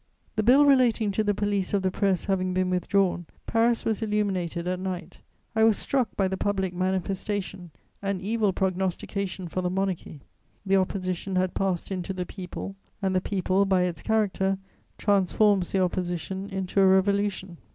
The Bill relating to the police of the press having been withdrawn, Paris was illuminated at night. I was struck by the public manifestation, an evil prognostication for the Monarchy: the opposition had passed into the people, and the people, by its character, transforms the opposition into a revolution.